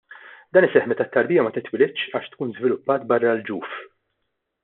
Dan iseħħ meta t-tarbija ma titwilidx għax tkun żviluppat barra l-ġuf.